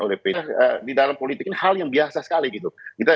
oleh di dalam politik ini hal yang biasa sekali gitu